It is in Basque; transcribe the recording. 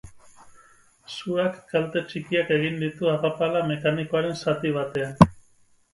Suak kalte txikiak egin ditu arrapala mekanikoaren zati batean.